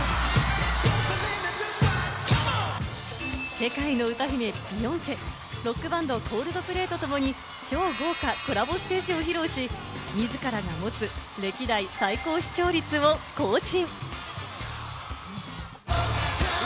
世界の歌姫・ビヨンセ、ロックバンド・コールドプレイとともに超豪華コラボステージを披露し、自らが持つ歴代最高視聴率を更新！